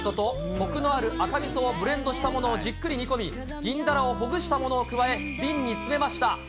こくのある赤みそをブレンドしたものをじっくり煮込み、銀だらをほぐしたものを加え、瓶に詰めました。